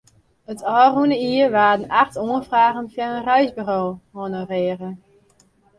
It ôfrûne jier waarden acht oanfragen foar in reisbeurs honorearre.